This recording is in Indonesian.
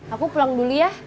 aku pulang dulu ya